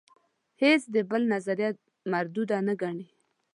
هیڅ د بل نظریه مرودوده نه ګڼي.